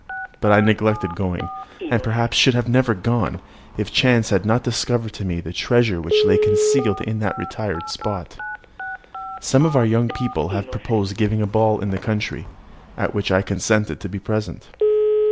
But I neglected going, and perhaps should never have gone, if chance had not discovered to me the treasure which lay concealed in that retired spot. Some of our young people had proposed giving a ball in the country, at which I consented to be present.